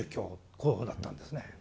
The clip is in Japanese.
こうだったんですね。